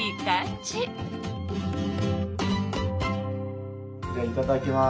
じゃあいただきます。